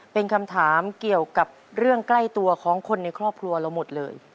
เป็นคำถามเกี่ยวกับเรื่องใกล้ตัวของคนในครอบครัวเราหมดเลย